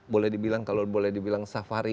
boleh dibilang kalau boleh dibilang safari